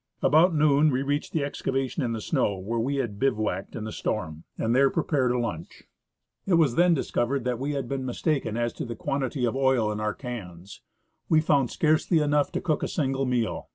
About noon we reached the ex cavation in the snow where we had bivouacked in the storm, 154. /. C. Russell — Expedition to Mount St. Ellas. and there prepared a lunch. It was then discovered that we had been mistaken as to the quantity of oil in our cans ; we found scarcely enough to cook a single meal.